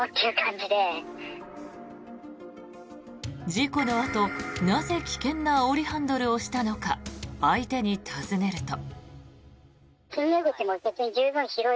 事故のあと、なぜ危険なあおりハンドルをしたのか相手に尋ねると。